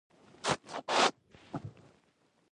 په غالۍ کې نقشه مهمه ده.